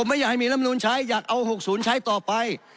ไม่อยากให้มีลำนูนใช้อยากเอา๖๐ใช้ต่อไป